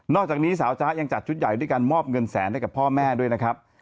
จากนี้สาวจ๊ะยังจัดชุดใหญ่ด้วยการมอบเงินแสนให้กับพ่อแม่ด้วยนะครับ